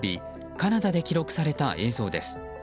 カナダで記録された映像です。